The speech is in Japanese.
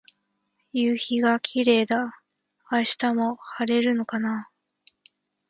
夕陽がキレイだ。明日も晴れるのかな。